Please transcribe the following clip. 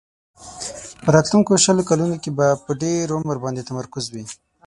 په راتلونکو شلو کلونو کې به په ډېر عمر باندې تمرکز وي.